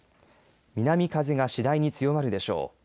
南風が次第に強まるでしょう。